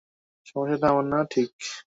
সমস্যাটা আমার না, ঠিক?